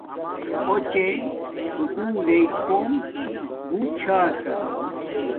اُچے سکُول لݵ کُوم بوت چھا کا